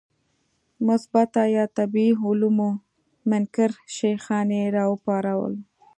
د مثبته یا طبیعي علومو منکر شیخان یې راوپارول.